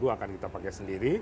dua ribu akan kita pakai sendiri